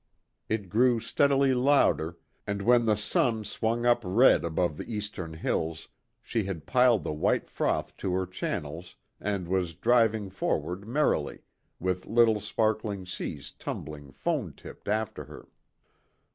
It grew steadily louder, and when the sun swung up red above the eastern hills, she had piled the white froth to her channels and was driving forward merrily, with little sparkling seas tumbling, foam tipped, after her.